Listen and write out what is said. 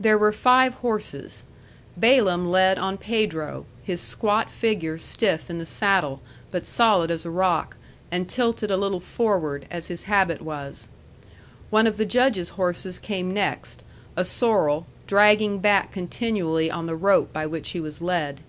There were five horses. Balaam led on Pedro, his squat figure stiff in the saddle, but solid as a rock, and tilted a little forward, as his habit was. One of the Judge's horses came next, a sorrel, dragging back continually on the rope by which he was led.